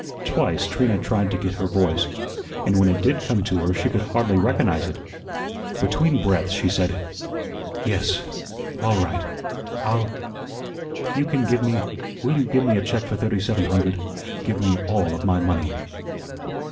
Twice Trina tried to get her voice, and when it did come to her, she could hardly recognize it. Between breaths she said: "Yes, all right I'll you can give me will you give me a check for thirty seven hundred? Give me ALL of my money."